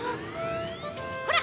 ほら！